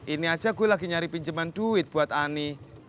ini aja gue lagi nyari pinjeman duit buat ani